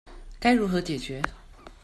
該如何解決